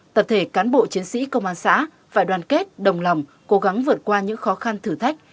tập thể cán bộ chiến sĩ công an xã phải đoàn kết đồng lòng cố gắng vượt qua những khó khăn thử thách